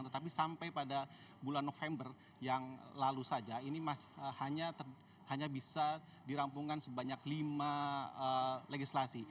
tetapi sampai pada bulan november yang lalu saja ini hanya bisa dirampungkan sebanyak lima legislasi